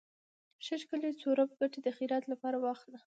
ښه ښکلے څورب کټے د خيرات لپاره واخله۔